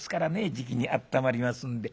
じきにあったまりますんで」。